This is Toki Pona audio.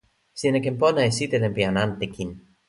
sina ken pona e sitelen pi jan ante kin.